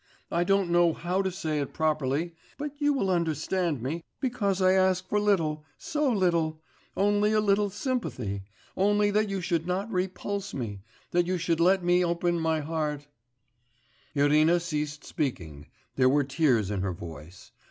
I don't know how to say it properly, but you will understand me, because I ask for little, so little ... only a little sympathy, only that you should not repulse me, that you should let me open my heart ' Irina ceased speaking, there were tears in her voice.